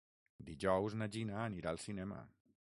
Dijous na Gina anirà al cinema.